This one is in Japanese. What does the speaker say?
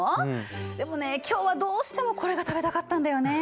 でもね今日はどうしてもこれが食べたかったんだよね。